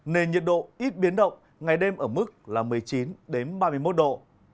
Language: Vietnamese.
nên nhiệt độ ít biến động ngày đêm ở mức là một mươi chín ba mươi một độ